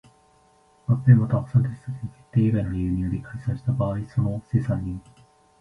合併又は破産手続開始の決定以外の理由により解散した場合その清算人